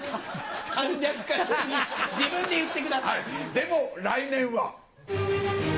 でも来年は。